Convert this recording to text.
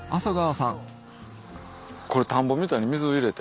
これ田んぼみたいに水入れて？